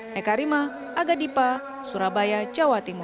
hekarima agadipa surabaya jawa timur